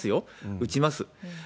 打ちます。